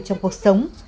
trong cuộc sống